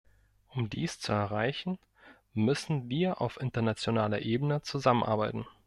Um dies zu erreichen, müssen wir auf internationaler Ebene zusammenarbeiten.